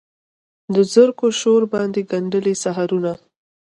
د زرکو شور باندې ګندلې سحرونه